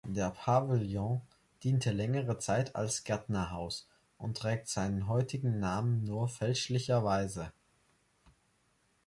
Der Pavillon diente längere Zeit als Gärtnerhaus und trägt seinen heutigen Namen nur fälschlicherweise.